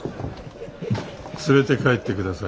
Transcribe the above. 連れて帰ってください。